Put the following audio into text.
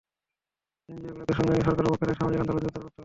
এনজিওগুলোকে সঙ্গে নিয়ে সরকারের পক্ষ থেকে সামাজিক আন্দোলন জোরদার করতে হবে।